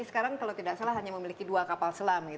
sekarang kalau tidak salah hanya memiliki dua kapal selam